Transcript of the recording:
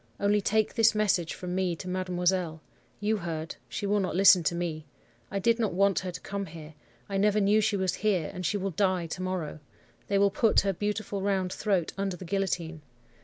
Only take this message from me to mademoiselle. You heard. She will not listen to me: I did not want her to come here. I never knew she was here, and she will die to morrow. They will put her beautiful round throat under the guillotine.